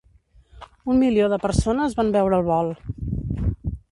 Un milió de persones van veure el vol.